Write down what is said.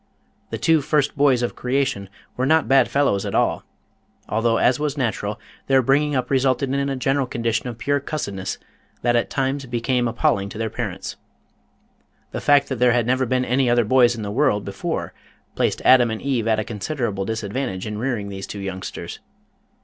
The two first boys of creation were not bad fellows at all, although as was natural, their bringing up resulted in a general condition of pure cussedness that at times became appalling to their parents. The fact that there had never been any other boys in the world before placed Adam and Eve at a considerable disadvantage in rearing these two youngsters.